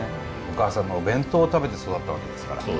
お母さんのお弁当を食べて育ったわけですから。